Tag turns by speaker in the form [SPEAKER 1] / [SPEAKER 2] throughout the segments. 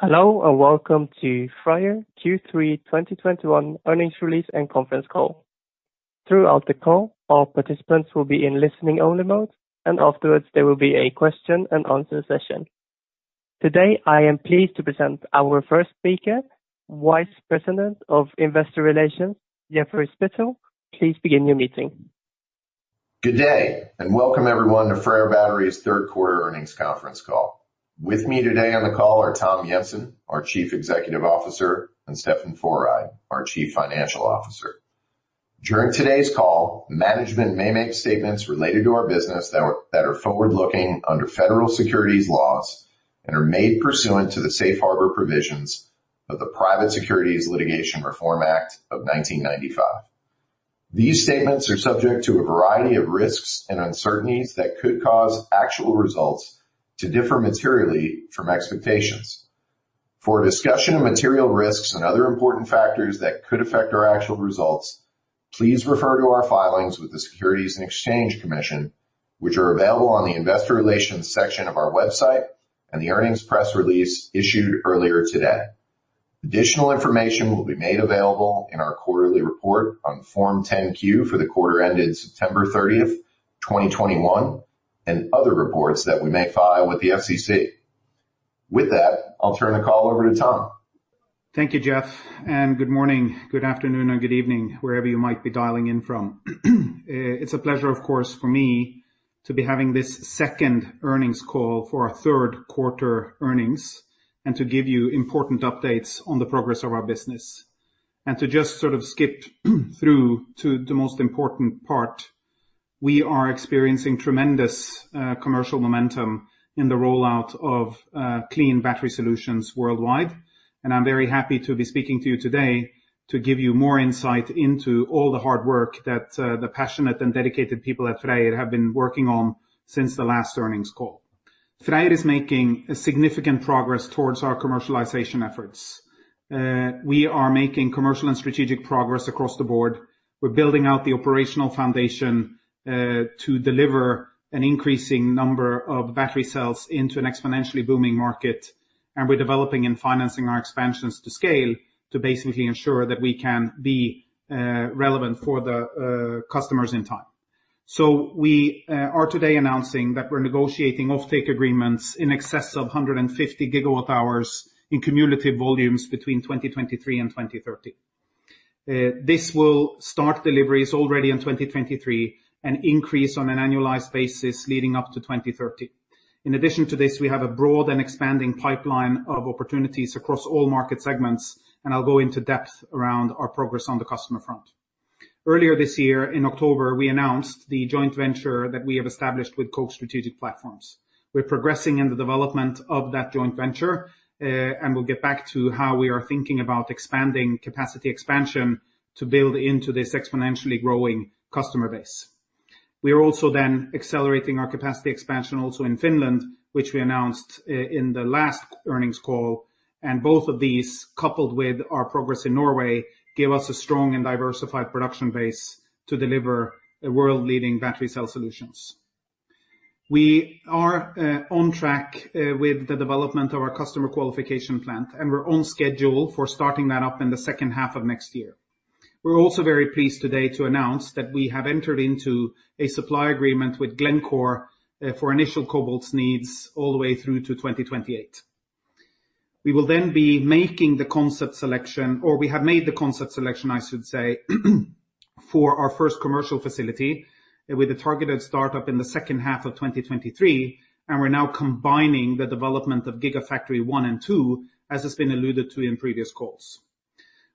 [SPEAKER 1] Hello and welcome to FREYR Q3 2021 earnings release and conference call. Throughout the call, all participants will be in listening only mode, and afterwards there will be a question and answer session. Today, I am pleased to present our first speaker, Vice President of Investor Relations, Jeffrey Spittel. Please begin your meeting.
[SPEAKER 2] Good day, and welcome everyone to FREYR Battery's third quarter earnings conference call. With me today on the call are Tom Jensen, our Chief Executive Officer, and Steffen Foreid, our Chief Financial Officer. During today's call, management may make statements related to our business that are forward-looking under federal securities laws and are made pursuant to the Safe Harbor provisions of the Private Securities Litigation Reform Act of 1995. These statements are subject to a variety of risks and uncertainties that could cause actual results to differ materially from expectations. For a discussion of material risks and other important factors that could affect our actual results, please refer to our filings with the Securities and Exchange Commission, which are available on the investor relations section of our website and the earnings press release issued earlier today. Additional information will be made available in our quarterly report on Form 10-Q for the quarter ended September 30th, 2021, and other reports that we may file with the SEC. With that, I'll turn the call over to Tom.
[SPEAKER 3] Thank you, Jeff, and good morning, good afternoon, or good evening, wherever you might be dialing in from. It's a pleasure, of course, for me to be having this second earnings call for our third quarter earnings and to give you important updates on the progress of our business. To just sort of skip through to the most important part. We are experiencing tremendous commercial momentum in the rollout of clean battery solutions worldwide. I'm very happy to be speaking to you today to give you more insight into all the hard work that the passionate and dedicated people at FREYR have been working on since the last earnings call. FREYR is making a significant progress towards our commercialization efforts. We are making commercial and strategic progress across the board. We're building out the operational foundation to deliver an increasing number of battery cells into an exponentially booming market. We're developing and financing our expansions to scale to basically ensure that we can be relevant for the customers in time. We are today announcing that we're negotiating offtake agreements in excess of 150 GWh in cumulative volumes between 2023 and 2030. This will start deliveries already in 2023 and increase on an annualized basis leading up to 2030. In addition to this, we have a broad and expanding pipeline of opportunities across all market segments, and I'll go into depth around our progress on the customer front. Earlier this year, in October, we announced the joint venture that we have established with Koch Strategic Platforms. We're progressing in the development of that joint venture, and we'll get back to how we are thinking about expanding capacity expansion to build into this exponentially growing customer base. We are also then accelerating our capacity expansion also in Finland, which we announced in the last earnings call. Both of these, coupled with our progress in Norway, give us a strong and diversified production base to deliver a world-leading battery cell solutions. We are on track with the development of our customer qualification plant, and we're on schedule for starting that up in the second half of next year. We're also very pleased today to announce that we have entered into a supply agreement with Glencore for initial cobalt needs all the way through to 2028. We will then be making the concept selection, or we have made the concept selection, I should say, for our first commercial facility with a targeted startup in the second half of 2023, and we're now combining the development of Gigafactory 1 and 2, as has been alluded to in previous calls.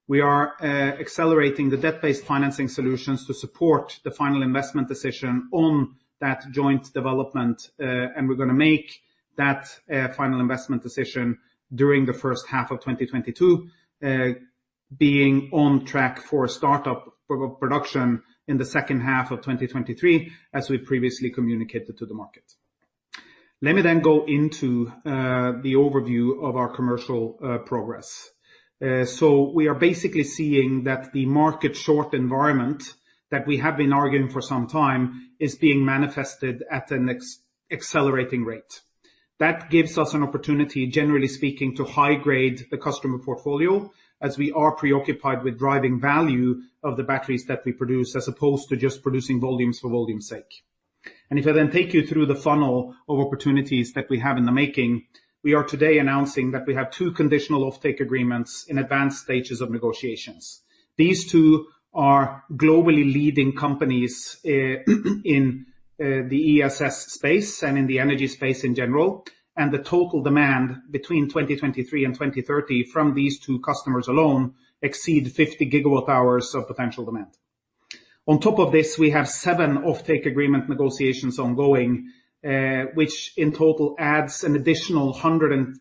[SPEAKER 3] We are accelerating the debt-based financing solutions to support the final investment decision on that joint development, and we're gonna make that final investment decision during the first half of 2022, being on track for startup production in the second half of 2023, as we previously communicated to the market. Let me go into the overview of our commercial progress. We are basically seeing that the market shortage environment that we have been arguing for some time is being manifested at an accelerating rate. That gives us an opportunity, generally speaking, to high grade the customer portfolio as we are preoccupied with driving value of the batteries that we produce, as opposed to just producing volumes for volume sake. If I then take you through the funnel of opportunities that we have in the making, we are today announcing that we have two conditional offtake agreements in advanced stages of negotiations. These two are globally leading companies, in the ESS space and in the energy space in general, and the total demand between 2023 and 2030 from these two customers alone exceed 50 GWh of potential demand. On top of this, we have seven offtake agreement negotiations ongoing, which in total adds an additional 100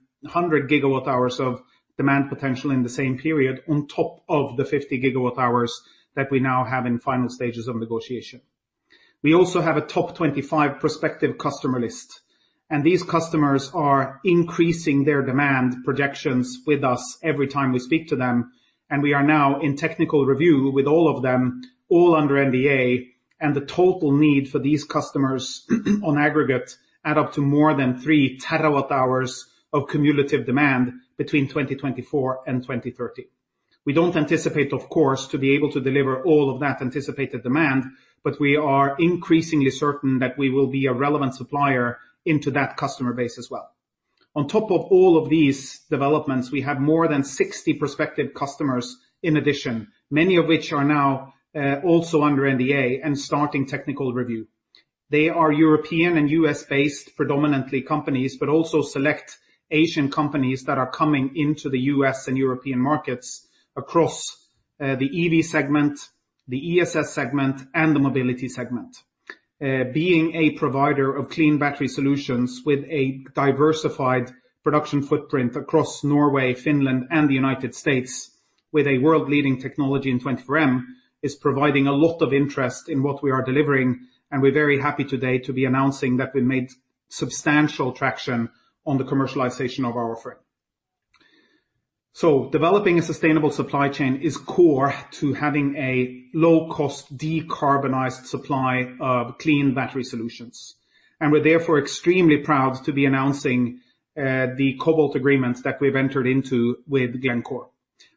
[SPEAKER 3] GWh of demand potential in the same period on top of the 50 GWh that we now have in final stages of negotiation. We also have a top 25 prospective customer list, and these customers are increasing their demand projections with us every time we speak to them, and we are now in technical review with all of them, all under NDA, and the total need for these customers on aggregate add up to more than 3TWh of cumulative demand between 2024 and 2030. We don't anticipate, of course, to be able to deliver all of that anticipated demand, but we are increasingly certain that we will be a relevant supplier into that customer base as well. On top of all of these developments, we have more than 60 prospective customers in addition, many of which are now also under NDA and starting technical review. They are European and U.S.-based predominantly companies, but also select Asian companies that are coming into the U.S. and European markets across the EV segment, the ESS segment, and the mobility segment. Being a provider of clean battery solutions with a diversified production footprint across Norway, Finland, and the United States, with a world-leading technology in 24M is providing a lot of interest in what we are delivering, and we're very happy today to be announcing that we made substantial traction on the commercialization of our offering. Developing a sustainable supply chain is core to having a low-cost decarbonized supply of clean battery solutions. We're therefore extremely proud to be announcing the cobalt agreements that we've entered into with Glencore.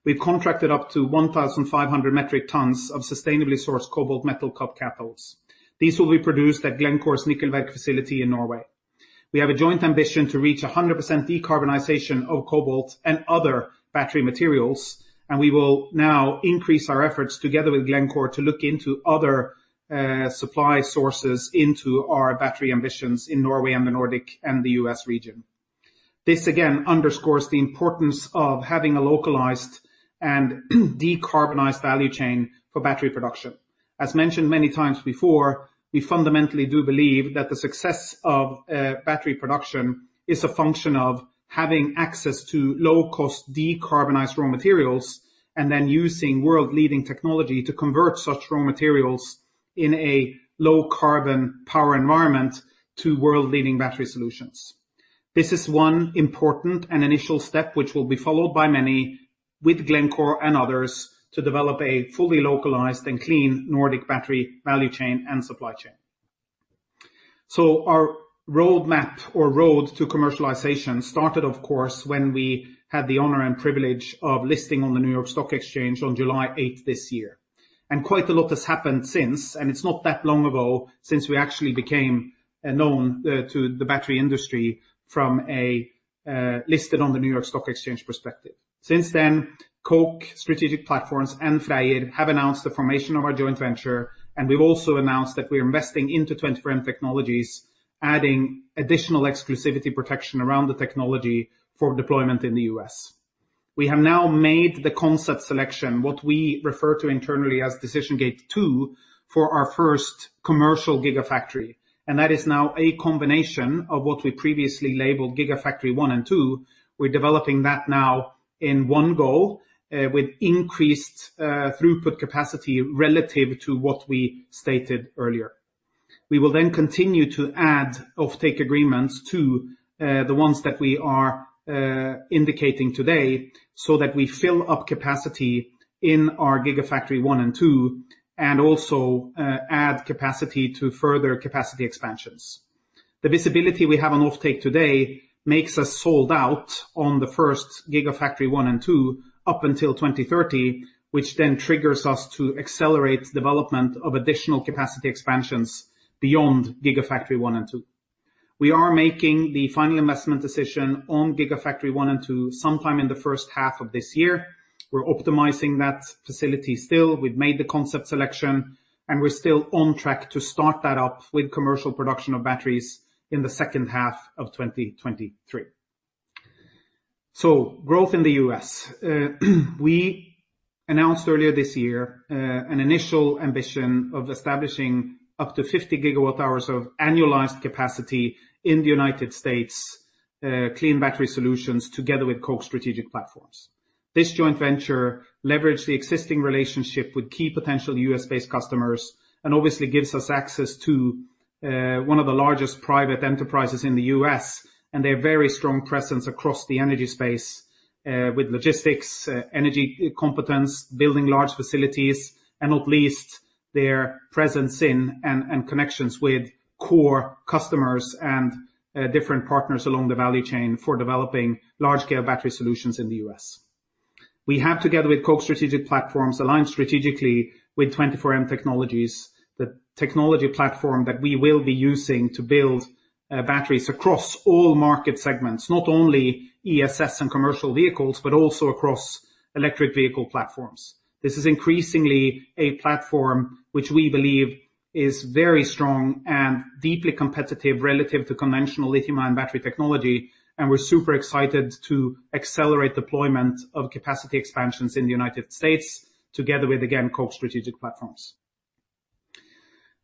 [SPEAKER 3] We've contracted up to 1,500 metric tons of sustainably sourced cobalt metal cut cathodes. These will be produced at Glencore's Nikkelverk facility in Norway. We have a joint ambition to reach 100% decarbonization of cobalt and other battery materials, and we will now increase our efforts together with Glencore to look into other supply sources into our battery ambitions in Norway and the Nordic and the U.S. region. This again underscores the importance of having a localized and decarbonized value chain for battery production. As mentioned many times before, we fundamentally do believe that the success of battery production is a function of having access to low-cost, decarbonized raw materials and then using world-leading technology to convert such raw materials in a low carbon power environment to world-leading battery solutions. This is one important and initial step, which will be followed by many with Glencore and others to develop a fully localized and clean Nordic battery value chain and supply chain. Our roadmap or road to commercialization started, of course, when we had the honor and privilege of listing on the New York Stock Exchange on July 8th this year. Quite a lot has happened since, and it's not that long ago since we actually became known to the battery industry from a listed on the New York Stock Exchange perspective. Since then, Koch Strategic Platforms and FREYR have announced the formation of our joint venture, and we've also announced that we're investing into 24M Technologies, adding additional exclusivity protection around the technology for deployment in the U.S. We have now made the concept selection, what we refer to internally as Decision Gate two, for our first commercial gigafactory. That is now a combination of what we previously labeled Gigafactory 1 and 2. We're developing that now in one go with increased throughput capacity relative to what we stated earlier. We will then continue to add offtake agreements to the ones that we are indicating today so that we fill up capacity in our Gigafactory 1 and 2, and also add capacity to further capacity expansions. The visibility we have on offtake today makes us sold out on the first Gigafactory 1 and 2 up until 2030, which then triggers us to accelerate development of additional capacity expansions beyond Gigafactory 1 and 2. We are making the final investment decision on Gigafactory 1 and 2 sometime in the first half of this year. We're optimizing that facility still. We've made the concept selection, and we're still on track to start that up with commercial production of batteries in the second half of 2023. Growth in the U.S. We announced earlier this year an initial ambition of establishing up to 50 GWh of annualized capacity in the United States, clean battery solutions together with Koch Strategic Platforms. This joint venture leveraged the existing relationship with key potential U.S.-based customers and obviously gives us access to one of the largest private enterprises in the U.S., and their very strong presence across the energy space with logistics, energy competence, building large facilities, and not least, their presence in and connections with core customers and different partners along the value chain for developing large-scale battery solutions in the U.S. We have, together with Koch Strategic Platforms, aligned strategically with 24M Technologies, the technology platform that we will be using to build batteries across all market segments, not only ESS and commercial vehicles, but also across electric vehicle platforms. This is increasingly a platform which we believe is very strong and deeply competitive relative to conventional lithium-ion battery technology, and we're super excited to accelerate deployment of capacity expansions in the United States together with, again, Koch Strategic Platforms.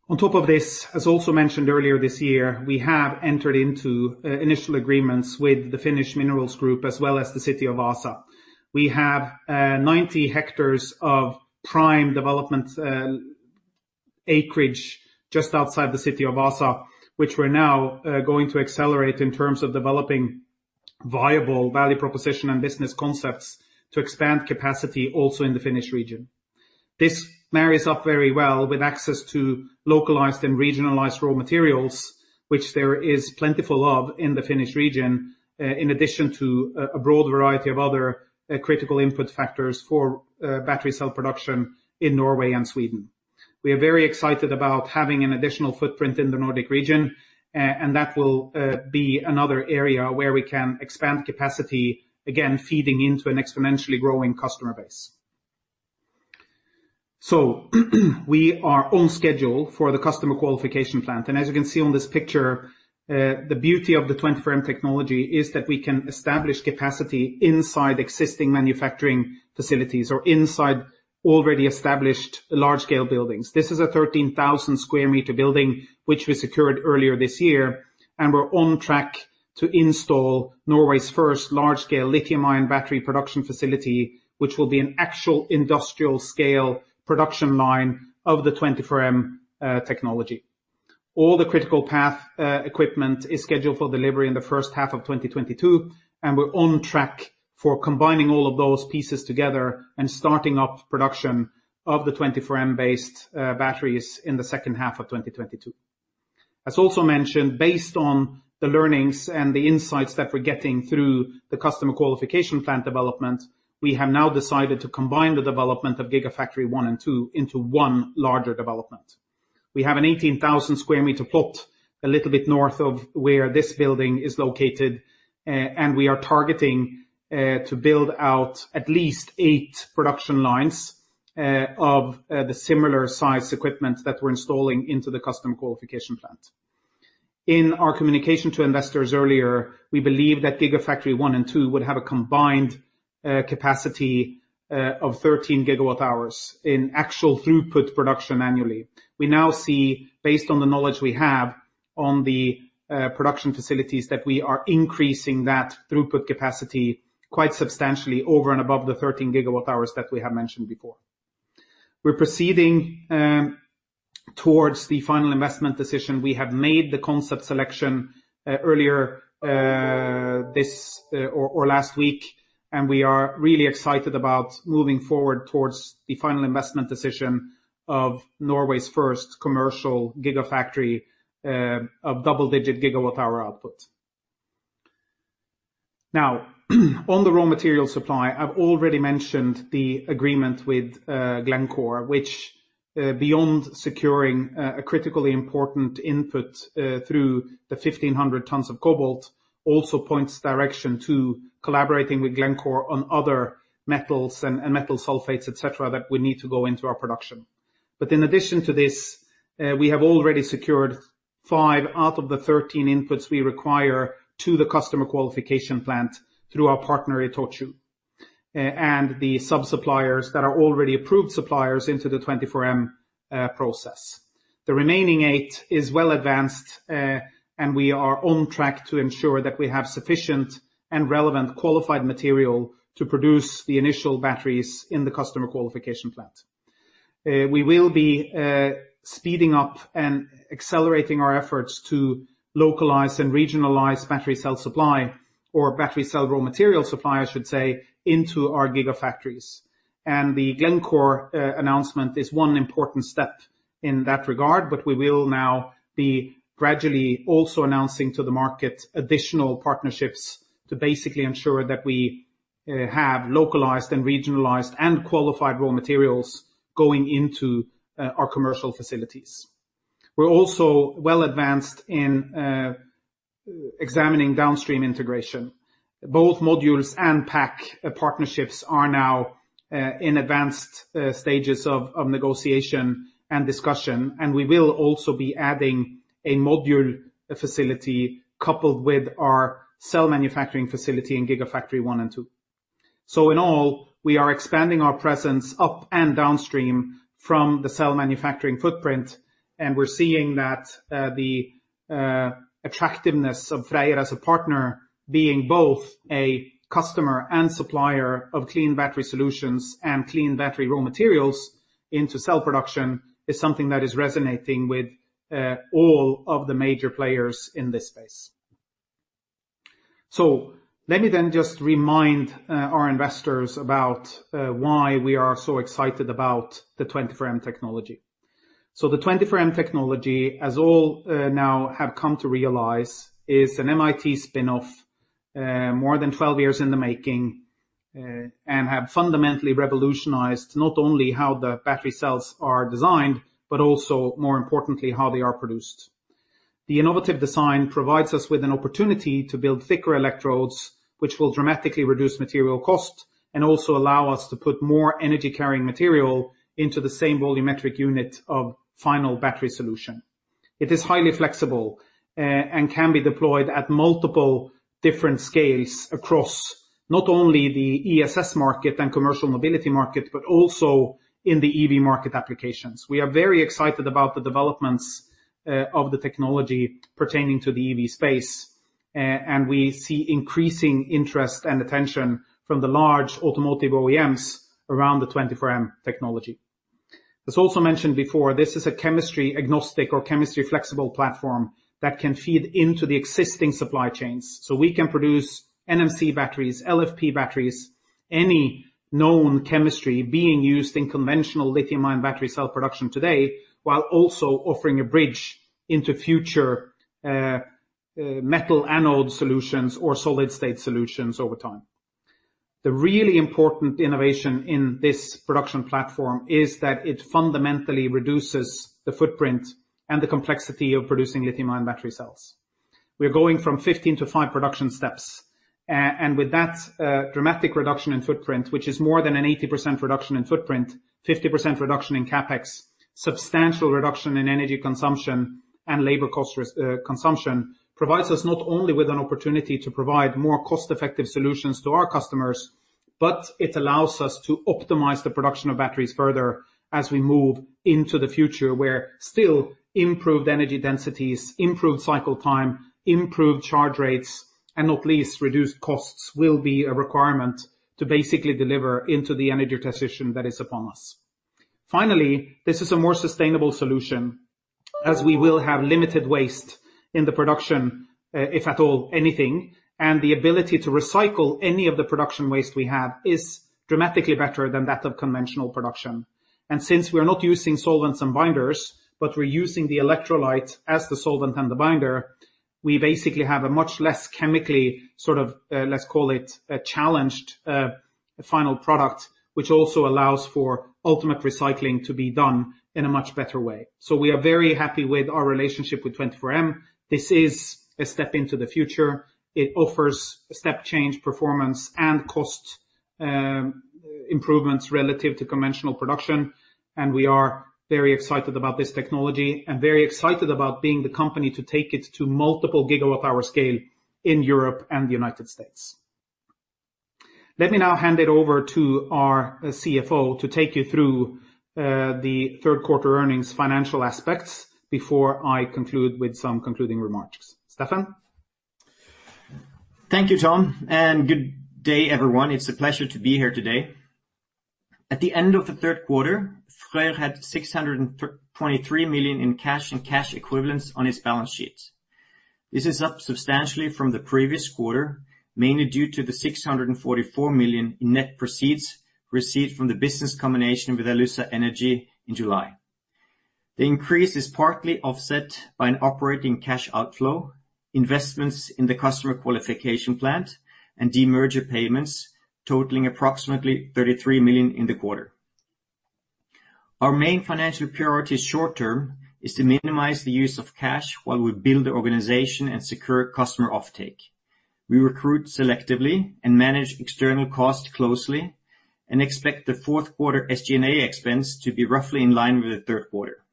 [SPEAKER 3] On top of this, as also mentioned earlier this year, we have entered into initial agreements with the Finnish Minerals Group as well as the city of Vaasa. We have 90 hectares of prime development acreage just outside the city of Vaasa, which we're now going to accelerate in terms of developing viable value proposition and business concepts to expand capacity also in the Finnish region. This marries up very well with access to localized and regionalized raw materials, which there is plenty of in the Finnish region, in addition to a broad variety of other critical input factors for battery cell production in Norway and Sweden. We are very excited about having an additional footprint in the Nordic region, and that will be another area where we can expand capacity, again, feeding into an exponentially growing customer base. We are on schedule for the customer qualification plant. As you can see on this picture, the beauty of the 24M technology is that we can establish capacity inside existing manufacturing facilities or inside already established large scale buildings. This is a 13,000 sq m building which we secured earlier this year, and we're on track to install Norway's first large scale lithium-ion battery production facility, which will be an actual industrial scale production line of the 24M technology. All the critical path equipment is scheduled for delivery in the first half of 2022, and we're on track for combining all of those pieces together and starting up production of the 24M-based batteries in the second half of 2022. As also mentioned, based on the learnings and the insights that we're getting through the customer qualification plant development, we have now decided to combine the development of Gigafactory 1 and 2 into one larger development. We have an 18,000 sq m plot a little bit north of where this building is located, and we are targeting to build out at least eight production lines of the similar size equipment that we're installing into the customer qualification plant. In our communication to investors earlier, we believe that Gigafactory 1 and 2 would have a combined capacity of 13 GWh in actual throughput production annually. We now see, based on the knowledge we have on the production facilities, that we are increasing that throughput capacity quite substantially over and above the 13 GWh that we have mentioned before. We're proceeding towards the final investment decision. We have made the concept selection earlier this or last week, and we are really excited about moving forward towards the final investment decision of Norway's first commercial gigafactory of double-digit gigawatt hour output. Now on the raw material supply, I've already mentioned the agreement with Glencore, which beyond securing a critically important input through the 1,500 tons of cobalt, also points direction to collaborating with Glencore on other metals and metal sulfates, et cetera, that we need to go into our production. In addition to this, we have already secured five out of the 13 inputs we require to the customer qualification plant through our partner ITOCHU and the sub-suppliers that are already approved suppliers into the 24M process. The remaining eight is well advanced, and we are on track to ensure that we have sufficient and relevant qualified material to produce the initial batteries in the customer qualification plant. We will be speeding up and accelerating our efforts to localize and regionalize battery cell supply or battery cell raw material supply, I should say, into our gigafactories. The Glencore announcement is one important step in that regard, but we will now be gradually also announcing to the market additional partnerships to basically ensure that we have localized and regionalized and qualified raw materials going into our commercial facilities. We're also well advanced in examining downstream integration. Both modules and pack partnerships are now in advanced stages of negotiation and discussion, and we will also be adding a module facility coupled with our cell manufacturing facility in Gigafactory 1 and 2. In all, we are expanding our presence up and downstream from the cell manufacturing footprint, and we're seeing that the attractiveness of FREYR as a partner, being both a customer and supplier of clean battery solutions and clean battery raw materials into cell production, is something that is resonating with all of the major players in this space. Let me then just remind our investors about why we are so excited about the 24M technology. The 24M technology, as all now have come to realize, is an MIT spinoff more than 12 years in the making and have fundamentally revolutionized not only how the battery cells are designed, but also more importantly, how they are produced. The innovative design provides us with an opportunity to build thicker electrodes, which will dramatically reduce material cost and also allow us to put more energy-carrying material into the same volumetric unit of final battery solution. It is highly flexible and can be deployed at multiple different scales across not only the ESS market and commercial mobility market, but also in the EV market applications. We are very excited about the developments of the technology pertaining to the EV space, and we see increasing interest and attention from the large automotive OEMs around the 24M technology. As also mentioned before, this is a chemistry agnostic or chemistry flexible platform that can feed into the existing supply chains. We can produce NMC batteries, LFP batteries, any known chemistry being used in conventional lithium-ion battery cell production today, while also offering a bridge into future metal anode solutions or solid state solutions over time. The really important innovation in this production platform is that it fundamentally reduces the footprint and the complexity of producing lithium-ion battery cells. We're going from 15 to five production steps. With that, dramatic reduction in footprint, which is more than an 80% reduction in footprint, 50% reduction in CapEx, substantial reduction in energy consumption and labor cost consumption, provides us not only with an opportunity to provide more cost-effective solutions to our customers, but it allows us to optimize the production of batteries further as we move into the future, where still improved energy densities, improved cycle time, improved charge rates, and not least reduced costs, will be a requirement to basically deliver into the energy transition that is upon us. Finally, this is a more sustainable solution as we will have limited waste in the production, if at all, anything. The ability to recycle any of the production waste we have is dramatically better than that of conventional production. Since we're not using solvents and binders, but we're using the electrolyte as the solvent and the binder, we basically have a much less chemically sort of, let's call it a challenged final product, which also allows for ultimate recycling to be done in a much better way. We are very happy with our relationship with 24M. This is a step into the future. It offers step change performance and cost improvements relative to conventional production. We are very excited about this technology and very excited about being the company to take it to multiple gigawatt power scale in Europe and United States. Let me now hand it over to our CFO to take you through the third quarter earnings financial aspects before I conclude with some concluding remarks. Steffen?
[SPEAKER 4] Thank you, Tom, and good day, everyone. It's a pleasure to be here today. At the end of the third quarter, FREYR had $623 million in cash and cash equivalents on its balance sheet. This is up substantially from the previous quarter, mainly due to the $644 million in net proceeds received from the business combination with Alussa Energy in July. The increase is partly offset by an operating cash outflow, investments in the customer qualification plant, and de-merger payments totaling approximately $33 million in the quarter. Our main financial priority short term is to minimize the use of cash while we build the organization and secure customer offtake. We recruit selectively and manage external costs closely and expect the fourth quarter SG&A expense to be roughly in line with the third quarter.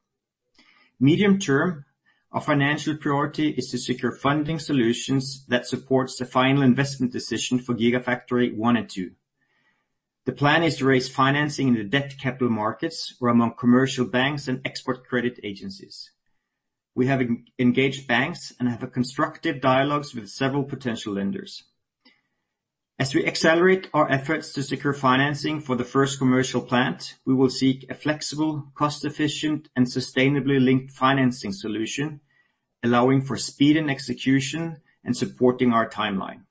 [SPEAKER 4] Medium term, our financial priority is to secure funding solutions that supports the final investment decision for Gigafactory 1 and 2. The plan is to raise financing in the debt capital markets or among commercial banks and export credit agencies. We have engaged banks and have a constructive dialogues with several potential lenders. As we accelerate our efforts to secure financing for the first commercial plant, we will seek a flexible, cost-efficient, and sustainably linked financing solution, allowing for speed and execution and supporting our timeline.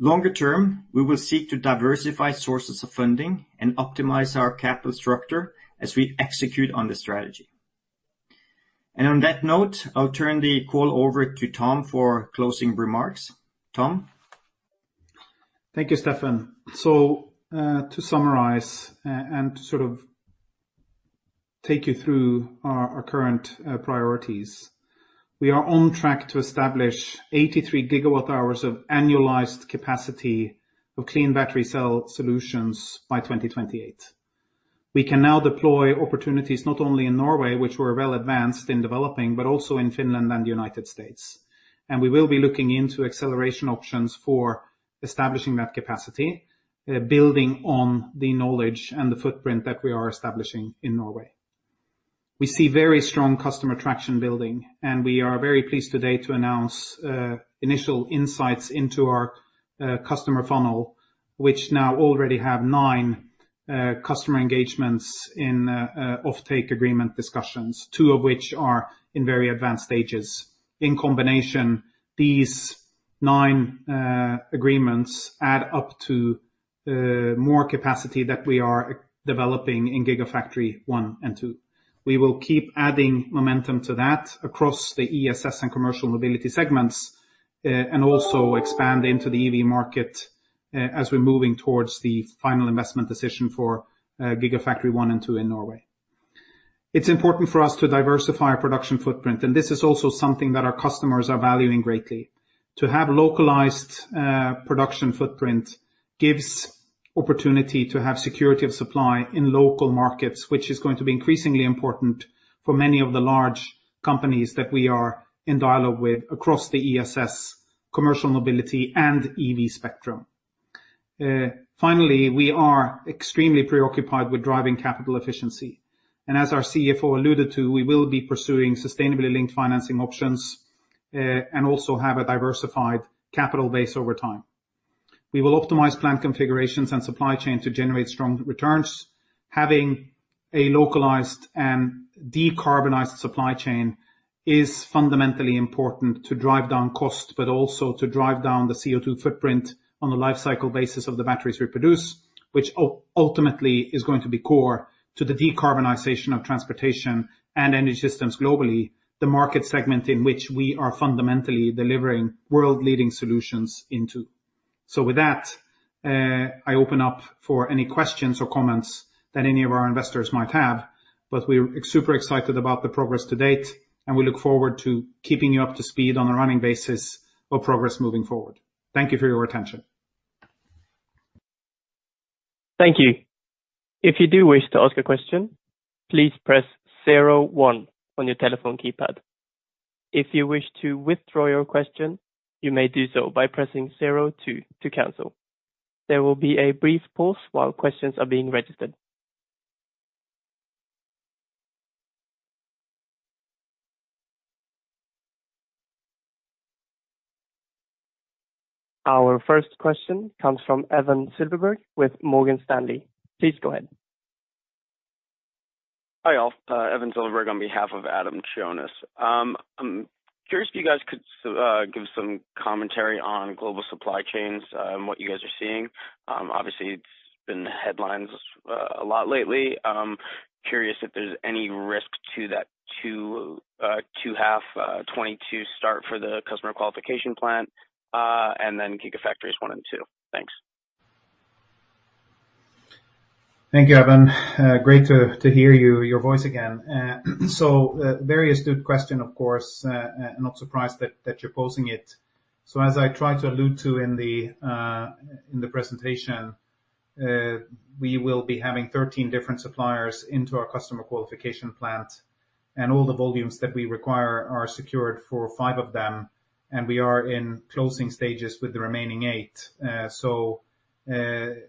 [SPEAKER 4] Longer term, we will seek to diversify sources of funding and optimize our capital structure as we execute on the strategy. On that note, I'll turn the call over to Tom for closing remarks. Tom?
[SPEAKER 3] Thank you, Steffen. To summarize and to sort of take you through our current priorities, we are on track to establish 83 GWh of annualized capacity of clean battery cell solutions by 2028. We can now deploy opportunities not only in Norway, which we're well advanced in developing, but also in Finland and United States. We will be looking into acceleration options for establishing that capacity, building on the knowledge and the footprint that we are establishing in Norway. We see very strong customer traction building, and we are very pleased today to announce initial insights into our customer funnel, which now already have nine customer engagements in offtake agreement discussions, two of which are in very advanced stages. In combination, these nine agreements add up to more capacity that we are developing in Gigafactory 1 and 2. We will keep adding momentum to that across the ESS and commercial mobility segments, and also expand into the EV market as we're moving towards the final investment decision for Gigafactory 1 and 2 in Norway. It's important for us to diversify our production footprint, and this is also something that our customers are valuing greatly. To have localized production footprint gives opportunity to have security of supply in local markets, which is going to be increasingly important for many of the large companies that we are in dialogue with across the ESS, commercial mobility, and EV spectrum. Finally, we are extremely preoccupied with driving capital efficiency. as our CFO alluded to, we will be pursuing sustainably linked financing options, and also have a diversified capital base over time. We will optimize plant configurations and supply chain to generate strong returns. Having a localized and decarbonized supply chain is fundamentally important to drive down cost, but also to drive down the CO₂ footprint on the life cycle basis of the batteries we produce, which ultimately is going to be core to the decarbonization of transportation and energy systems globally, the market segment in which we are fundamentally delivering world-leading solutions into. With that, I open up for any questions or comments that any of our investors might have, but we're super excited about the progress to date, and we look forward to keeping you up to speed on a running basis of progress moving forward. Thank you for your attention.
[SPEAKER 1] Our first question comes from Evan Calio with Morgan Stanley. Please go ahead.
[SPEAKER 5] Hi, all. Evan Calio on behalf of Adam Jonas. I'm curious if you guys could give some commentary on global supply chains, what you guys are seeing. Obviously, it's been in the headlines a lot lately. Curious if there's any risk to that 2H 2022 start for the customer qualification plant, and then Gigafactories 1 and 2. Thanks.
[SPEAKER 3] Thank you, Evan. Great to hear your voice again. Very astute question, of course. Not surprised that you're posing it. As I tried to allude to in the presentation, we will be having 13 different suppliers into our customer qualification plant, and all the volumes that we require are secured for five of them, and we are in closing stages with the remaining eight.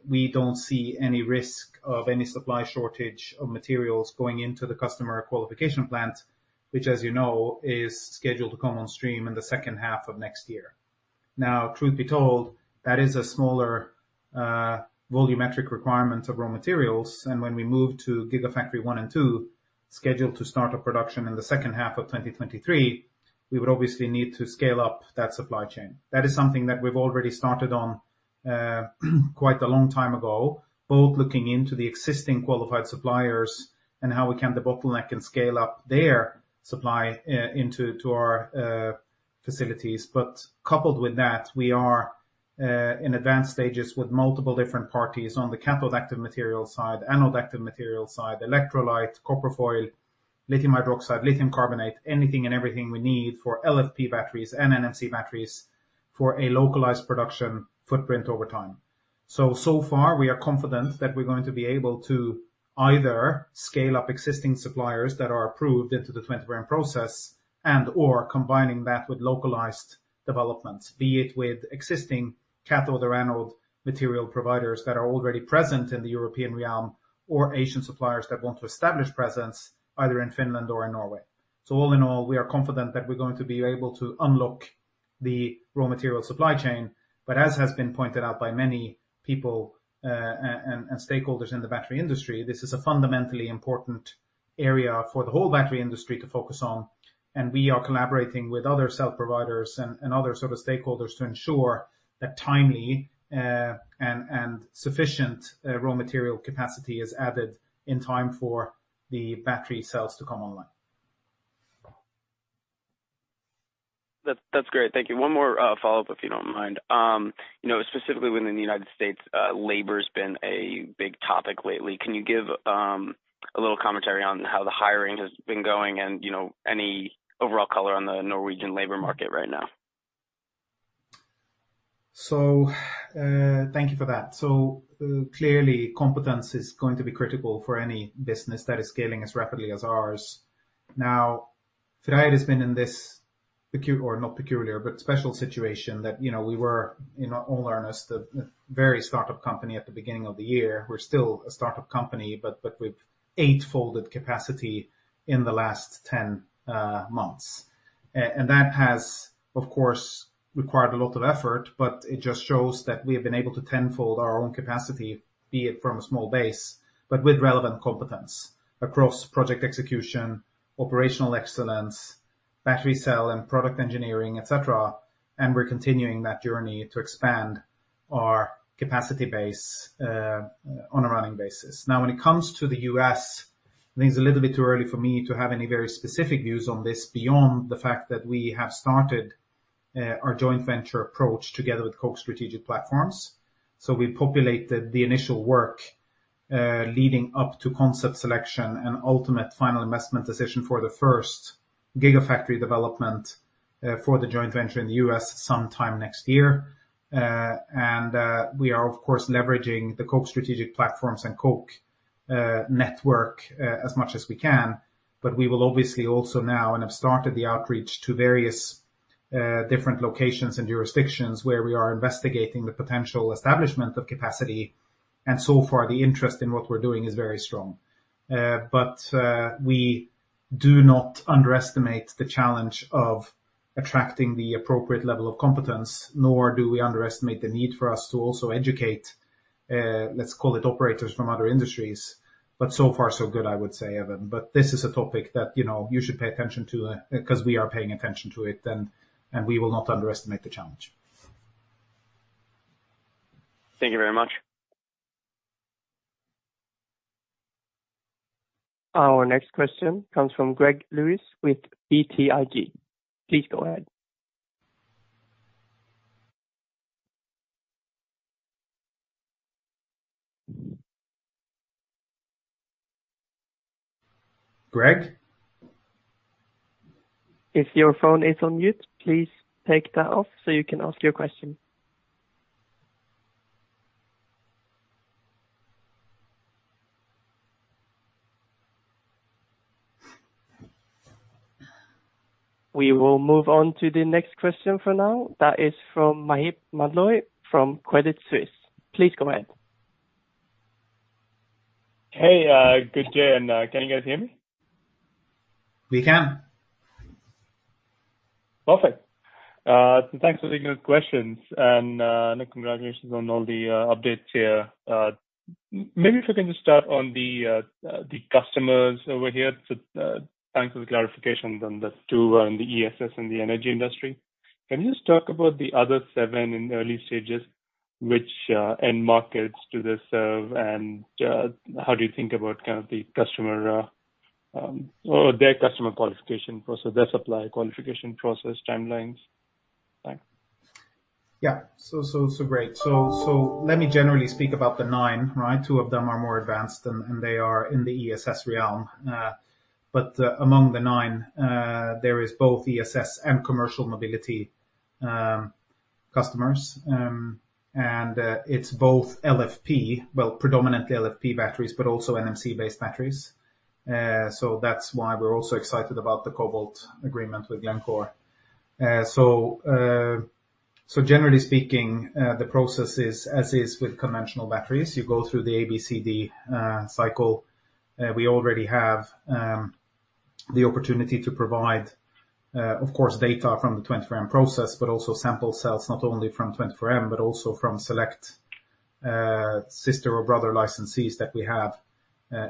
[SPEAKER 3] We don't see any risk of any supply shortage of materials going into the customer qualification plant, which as you know, is scheduled to come on stream in the second half of next year. Now, truth be told, that is a smaller volumetric requirement of raw materials, and when we move to Gigafactory 1 and 2, scheduled to start production in the second half of 2023, we would obviously need to scale up that supply chain. That is something that we've already started on quite a long time ago, both looking into the existing qualified suppliers and how we can debottleneck and scale up their supply into our facilities. But coupled with that, we are in advanced stages with multiple different parties on the cathode active material side, anode active material side, electrolyte, copper foil, lithium hydroxide, lithium carbonate, anything and everything we need for LFP batteries, NMC batteries for a localized production footprint over time. So far, we are confident that we're going to be able to either scale up existing suppliers that are approved into the 24M process and/or combining that with localized developments. Be it with existing cathode or anode material providers that are already present in the European realm or Asian suppliers that want to establish presence either in Finland or in Norway. All in all, we are confident that we're going to be able to unlock the raw material supply chain. As has been pointed out by many people, and stakeholders in the battery industry, this is a fundamentally important area for the whole battery industry to focus on, and we are collaborating with other cell providers and other sort of stakeholders to ensure that timely, and sufficient, raw material capacity is added in time for the battery cells to come online.
[SPEAKER 5] That's great. Thank you. One more follow-up, if you don't mind. You know, specifically within the United States, labor's been a big topic lately. Can you give a little commentary on how the hiring has been going and, you know, any overall color on the Norwegian labor market right now?
[SPEAKER 3] Thank you for that. Clearly, competence is going to be critical for any business that is scaling as rapidly as ours. Now, FREYR has been in this special situation that, you know, we were, in all earnest, a very startup company at the beginning of the year. We're still a startup company, but we've eight-folded capacity in the last 10 months. That has, of course, required a lot of effort, but it just shows that we have been able to 10-fold our own capacity, be it from a small base, but with relevant competence across project execution, operational excellence, battery cell and product engineering, et cetera. We're continuing that journey to expand our capacity base on a running basis. Now, when it comes to the U.S., I think it's a little bit too early for me to have any very specific views on this beyond the fact that we have started our joint venture approach together with Koch Strategic Platforms. We populated the initial work leading up to concept selection and ultimate final investment decision for the first gigafactory development for the joint venture in the U.S. sometime next year. We are, of course, leveraging the Koch Strategic Platforms and Koch network as much as we can. We will obviously also now and have started the outreach to various different locations and jurisdictions where we are investigating the potential establishment of capacity. So far the interest in what we're doing is very strong. We do not underestimate the challenge of attracting the appropriate level of competence, nor do we underestimate the need for us to also educate, let's call it operators from other industries. So far, so good, I would say, Evan. This is a topic that, you know, you should pay attention to, because we are paying attention to it, and we will not underestimate the challenge.
[SPEAKER 1] Thank you very much. Our next question comes from Greg Lewis with BTIG. Please go ahead.
[SPEAKER 3] Greg?
[SPEAKER 1] If your phone is on mute, please take that off so you can ask your question. We will move on to the next question for now. That is from Maheep Mandloi from Credit Suisse. Please go ahead.
[SPEAKER 6] Hey, good day, and can you guys hear me?
[SPEAKER 3] We can.
[SPEAKER 6] Perfect. Thanks for taking the questions and, congratulations on all the, updates here. Maybe if you can just start on the customers over here. Thanks for the clarification on the two in the ESS and the energy industry. Can you just talk about the other seven in early stages, which, end markets do they serve, and, how do you think about kind of the customer, or their customer qualification process, their supply qualification process timelines? Thanks.
[SPEAKER 3] Yeah. Great. Let me generally speak about the nine, right? two of them are more advanced and they are in the ESS realm. Among the nine, there is both ESS and commercial mobility customers. It's both LFP, well, predominantly LFP batteries, but also NMC-based batteries. That's why we're also excited about the cobalt agreement with Glencore. Generally speaking, the process is as is with conventional batteries. You go through the ABCD cycle. We already have the opportunity to provide, of course, data from the 24M process, but also sample cells not only from 24M, but also from select sister or brother licensees that we have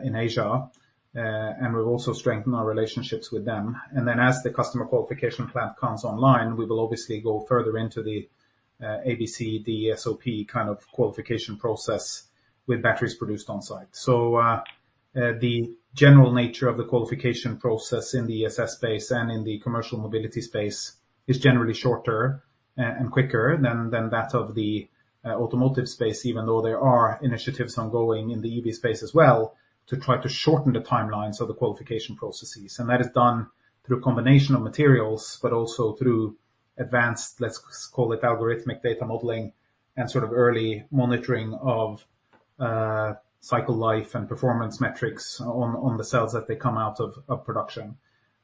[SPEAKER 3] in Asia. We've also strengthened our relationships with them. Then as the customer qualification plant comes online, we will obviously go further into the ABCD SOP kind of qualification process with batteries produced on-site. The general nature of the qualification process in the ESS space and in the commercial mobility space is generally shorter and quicker than that of the automotive space, even though there are initiatives ongoing in the EV space as well to try to shorten the timelines of the qualification processes. That is done through a combination of materials, but also through advanced, let's call it algorithmic data modeling and sort of early monitoring of cycle life and performance metrics on the cells as they come out of production.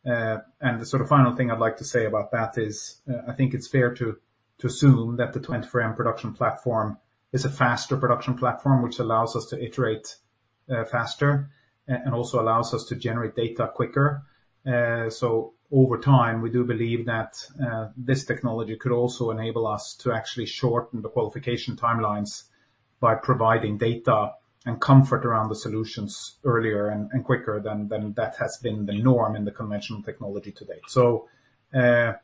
[SPEAKER 3] The sort of final thing I'd like to say about that is, I think it's fair to assume that the 24M production platform is a faster production platform, which allows us to iterate faster and also allows us to generate data quicker. Over time, we do believe that this technology could also enable us to actually shorten the qualification timelines by providing data and comfort around the solutions earlier and quicker than that has been the norm in the conventional technology to date.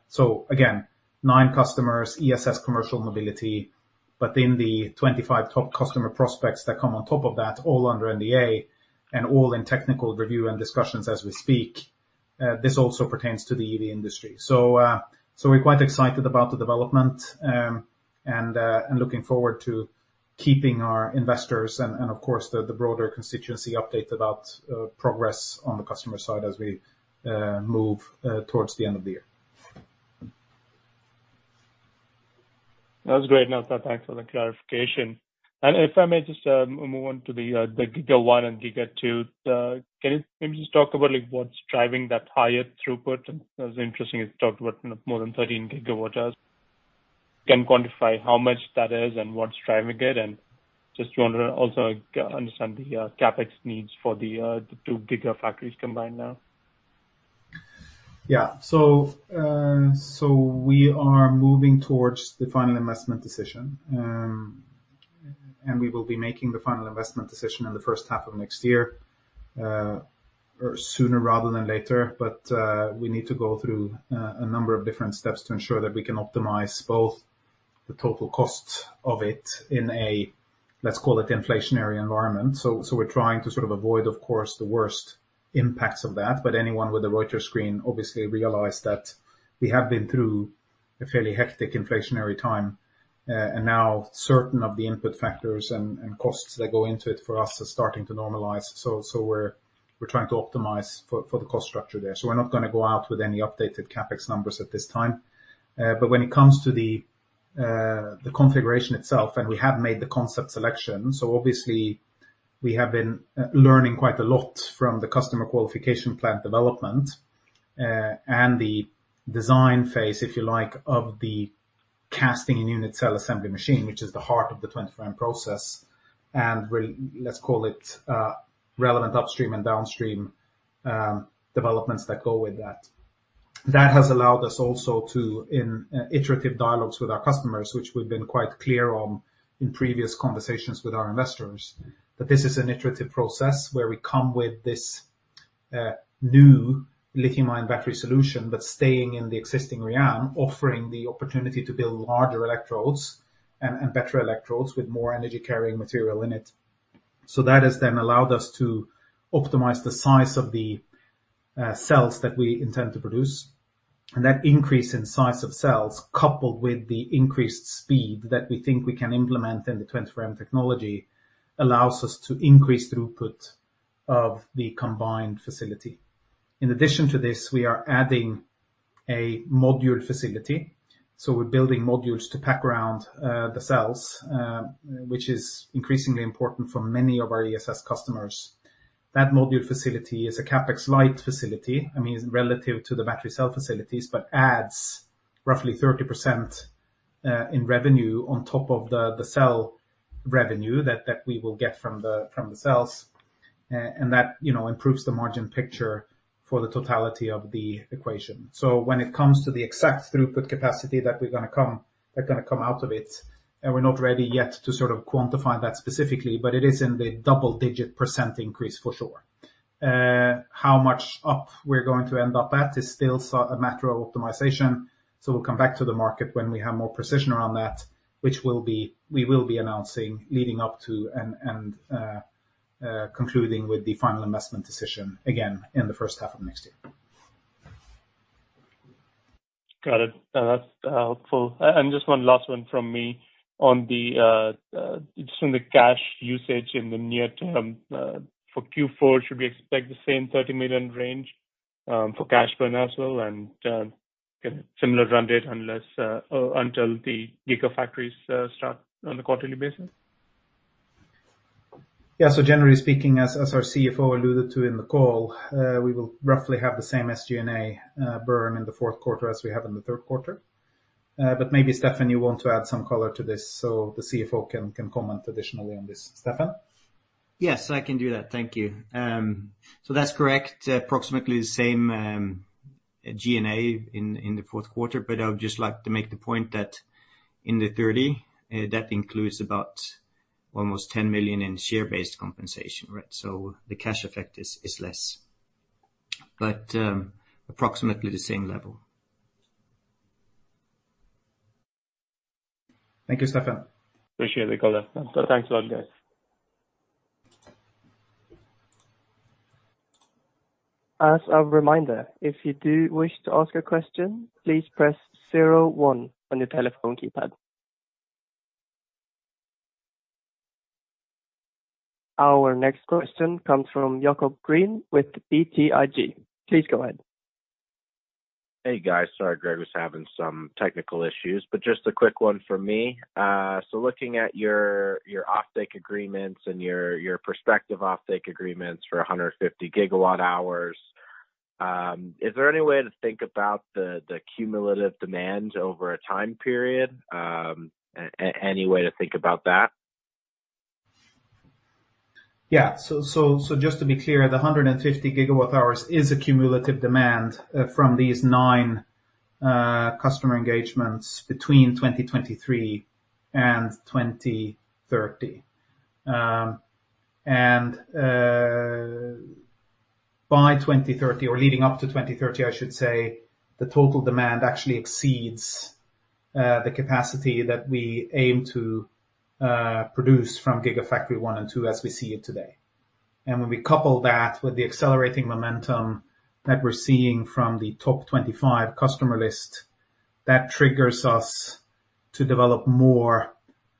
[SPEAKER 3] Again, nine customers, ESS commercial mobility, but then the 25 top customer prospects that come on top of that, all under NDA and all in technical review and discussions as we speak, this also pertains to the EV industry. We're quite excited about the development, and looking forward to keeping our investors and of course the broader constituency updated about progress on the customer side as we move towards the end of the year.
[SPEAKER 6] That was great, Tom Jensen. Thanks for the clarification. If I may just move on to the Giga One and Giga Two. Can you maybe just talk about, like, what's driving that higher throughput? It was interesting, you talked about more than 13GW. Can you quantify how much that is and what's driving it? I just want to also understand the CapEx needs for the two giga factories combined now.
[SPEAKER 3] Yeah. We are moving towards the final investment decision. We will be making the final investment decision in the first half of next year, or sooner rather than later. We need to go through a number of different steps to ensure that we can optimize both the total cost of it in a, let's call it inflationary environment. We're trying to sort of avoid, of course, the worst impacts of that. Anyone with a Reuters screen obviously realized that we have been through a fairly hectic inflationary time, and now certain of the input factors and costs that go into it for us are starting to normalize. We're trying to optimize for the cost structure there. We're not gonna go out with any updated CapEx numbers at this time. When it comes to the configuration itself, we have made the concept selection. We have been learning quite a lot from the customer qualification plant development and the design phase, if you like, of the casting and unit cell assembly machine, which is the heart of the 25 process, and let's call it relevant upstream and downstream developments that go with that. That has allowed us also to engage in iterative dialogues with our customers, which we've been quite clear on in previous conversations with our investors, that this is an iterative process where we come with this new lithium-ion battery solution, but staying in the existing realm, offering the opportunity to build larger electrodes and better electrodes with more energy-carrying material in it. That has then allowed us to optimize the size of the cells that we intend to produce. That increase in size of cells, coupled with the increased speed that we think we can implement in the 25 technology, allows us to increase throughput of the combined facility. In addition to this, we are adding a module facility. We're building modules to pack around the cells, which is increasingly important for many of our ESS customers. That module facility is a CapEx-light facility. I mean, relative to the battery cell facilities, but adds roughly 30% in revenue on top of the cell revenue that we will get from the cells. That, you know, improves the margin picture for the totality of the equation. When it comes to the exact throughput capacity that is gonna come out of it, and we're not ready yet to sort of quantify that specifically, but it is in the double-digit % increase for sure. How much up we're going to end up at is still a matter of optimization. We'll come back to the market when we have more precision around that, which we will be announcing leading up to and concluding with the final investment decision again in the first half of next year.
[SPEAKER 6] Got it. That's helpful. Just one last one from me on the cash usage in the near term for Q4, should we expect the same $30 million range for cash burn as well and similar run rate unless until the gigafactories start on a quarterly basis?
[SPEAKER 3] Yeah. Generally speaking, as our CFO alluded to in the call, we will roughly have the same SG&A burn in the fourth quarter as we have in the third quarter. Maybe, Steffen, you want to add some color to this so the CFO can comment additionally on this. Steffen?
[SPEAKER 4] Yes, I can do that. Thank you. That's correct. Approximately the same G&A in the fourth quarter. I would just like to make the point that in the 30 that includes about almost $10 million in share-based compensation, right? The cash effect is less. Approximately the same level.
[SPEAKER 3] Thank you, Steffen.
[SPEAKER 6] Appreciate the color. Thanks a lot, guys.
[SPEAKER 1] As a reminder, if you do wish to ask a question, please press zero one on your telephone keypad. Our next question comes from Gregory Lewis with BTIG. Please go ahead.
[SPEAKER 7] Hey, guys. Sorry, Greg was having some technical issues, but just a quick one for me. Looking at your offtake agreements and your prospective offtake agreements for 150 GWh, is there any way to think about the cumulative demand over a time period? Any way to think about that?
[SPEAKER 3] Yeah. Just to be clear, the 150 GWh is a cumulative demand from these nine customer engagements between 2023 and 2030. By 2030 or leading up to 2030, I should say, the total demand actually exceeds the capacity that we aim to produce from Gigafactory 1 and 2 as we see it today. When we couple that with the accelerating momentum that we're seeing from the top 25 customer list, that triggers us to develop more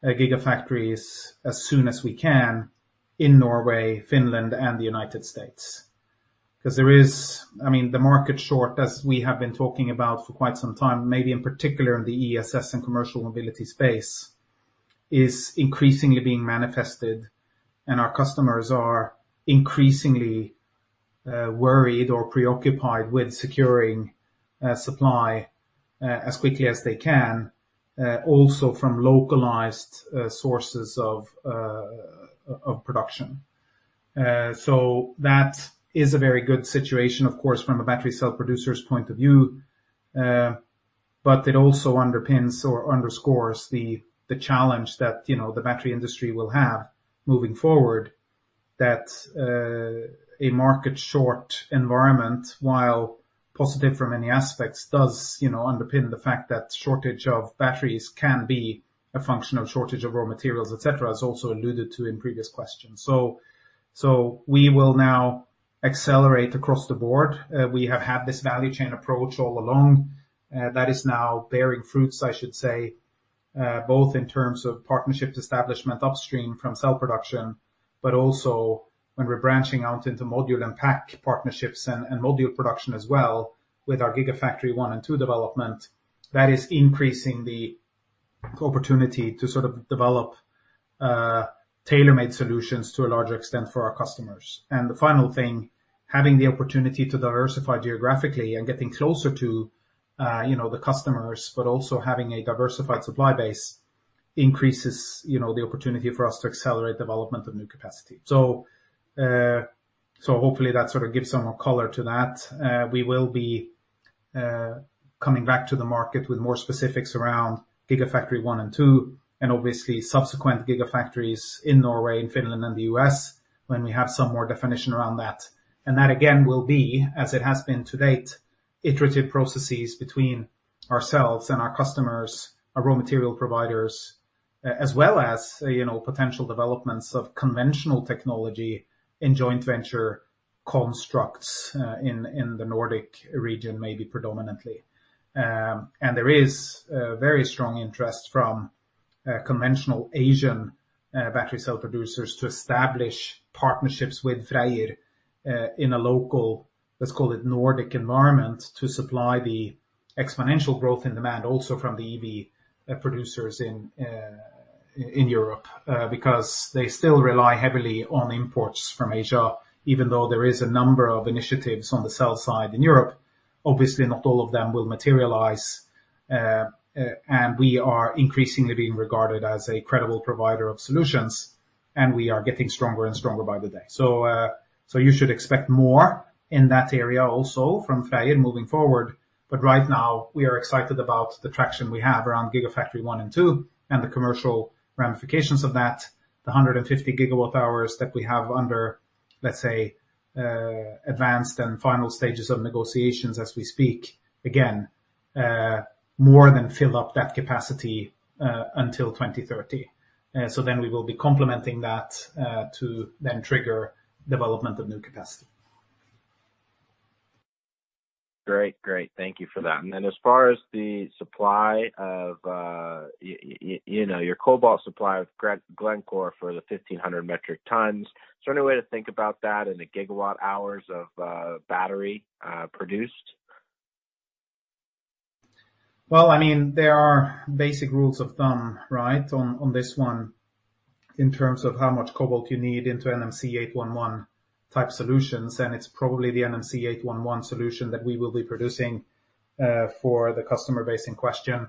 [SPEAKER 3] gigafactories as soon as we can in Norway, Finland, and the United States. 'Cause there is. I mean, the market shortage, as we have been talking about for quite some time, maybe in particular in the ESS and commercial mobility space, is increasingly being manifested, and our customers are increasingly worried or preoccupied with securing supply as quickly as they can, also from localized sources of production. That is a very good situation, of course, from a battery cell producer's point of view, but it also underpins or underscores the challenge that, you know, the battery industry will have moving forward, that a market shortage environment, while positive from many aspects, does, you know, underpin the fact that shortage of batteries can be a function of shortage of raw materials, et cetera, as also alluded to in previous questions. We will now accelerate across the board. We have had this value chain approach all along, that is now bearing fruits, I should say, both in terms of partnerships establishment upstream from cell production, but also when we're branching out into module and pack partnerships and module production as well with our Gigafactory 1 and 2 development, that is increasing the opportunity to sort of develop tailor-made solutions to a larger extent for our customers. The final thing, having the opportunity to diversify geographically and getting closer to you know the customers, but also having a diversified supply base increases you know the opportunity for us to accelerate development of new capacity. Hopefully that sort of gives some more color to that. We will be coming back to the market with more specifics around Gigafactory 1 and 2, and obviously subsequent gigafactories in Norway and Finland and the U.S. when we have some more definition around that. That again will be, as it has been to date, iterative processes between ourselves and our customers, our raw material providers, as well as, you know, potential developments of conventional technology in joint venture constructs, in the Nordic region, maybe predominantly. There is very strong interest from conventional Asian battery cell producers to establish partnerships with FREYR, in a local, let's call it Nordic environment, to supply the exponential growth in demand also from the EV producers in Europe. Because they still rely heavily on imports from Asia, even though there is a number of initiatives on the cell side in Europe. Obviously, not all of them will materialize. We are increasingly being regarded as a credible provider of solutions, and we are getting stronger and stronger by the day. You should expect more in that area also from FREYR moving forward. Right now we are excited about the traction we have around Gigafactory 1 and 2 and the commercial ramifications of that. The 150 GWh that we have under, let's say, advanced and final stages of negotiations as we speak. Again, more than fill up that capacity until 2030. We will be complementing that to then trigger development of new capacity.
[SPEAKER 7] Great. Thank you for that. As far as the supply of, you know, your cobalt supply with Glencore for the 1,500 metric tons, is there any way to think about that in the gigawatt hours of battery produced?
[SPEAKER 3] Well, I mean, there are basic rules of thumb, right, on this one in terms of how much cobalt you need into NMC 811 type solutions, and it's probably the NMC 811 solution that we will be producing for the customer base in question.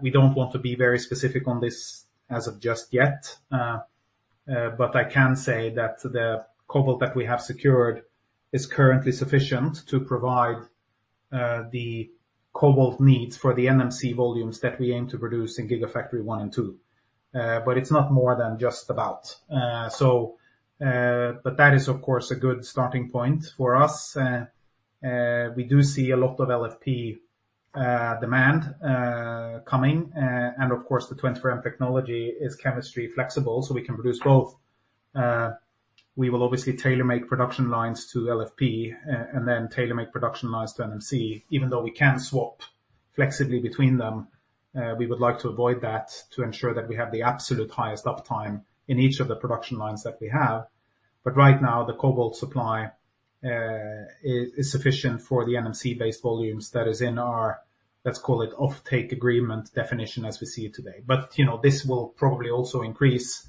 [SPEAKER 3] We don't want to be very specific on this as of yet. I can say that the cobalt that we have secured is currently sufficient to provide the cobalt needs for the NMC volumes that we aim to produce in Gigafactory 1 and 2. It's not more than just about. That is of course a good starting point for us. We do see a lot of LFP demand coming. Of course the 24M technology is chemistry flexible, so we can produce both. We will obviously tailor-make production lines to LFP and then tailor-make production lines to NMC. Even though we can swap flexibly between them, we would like to avoid that to ensure that we have the absolute highest uptime in each of the production lines that we have. Right now the cobalt supply is sufficient for the NMC-based volumes that is in our, let's call it offtake agreement definition as we see it today. You know, this will probably also increase.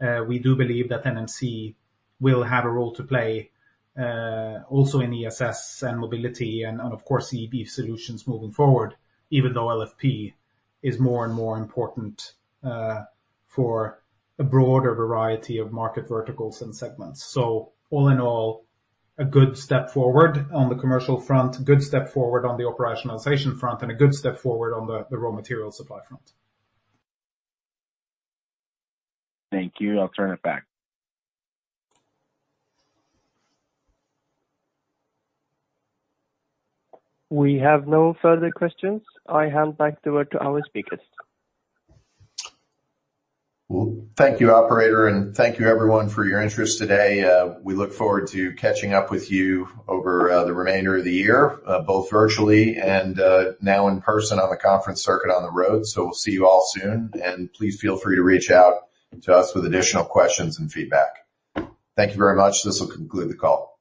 [SPEAKER 3] We do believe that NMC will have a role to play also in ESS and mobility and of course EV solutions moving forward, even though LFP is more and more important for a broader variety of market verticals and segments. All in all, a good step forward on the commercial front, good step forward on the operationalization front, and a good step forward on the raw material supply front.
[SPEAKER 7] Thank you. I'll turn it back.
[SPEAKER 1] We have no further questions. I hand back over to our speakers.
[SPEAKER 2] Well, thank you operator, and thank you everyone for your interest today. We look forward to catching up with you over the remainder of the year, both virtually and now in person on the conference circuit on the road. We'll see you all soon, and please feel free to reach out to us with additional questions and feedback. Thank you very much. This will conclude the call.